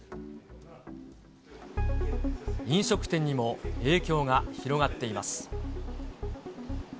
飲食店にも影響が広がっています。